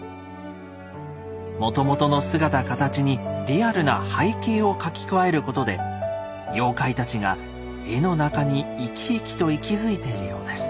もともとの姿形にリアルな背景を描き加えることで妖怪たちが絵の中に生き生きと息づいているようです。